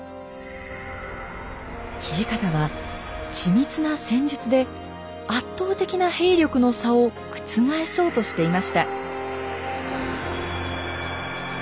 土方は緻密な戦術で圧倒的な兵力の差を覆そうとしていました。